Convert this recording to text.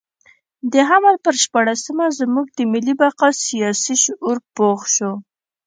د حمل پر شپاړلسمه زموږ د ملي بقا سیاسي شعور پوخ شو.